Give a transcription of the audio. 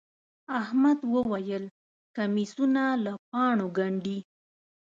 احمد وويل: کمیسونه له پاڼو گنډي.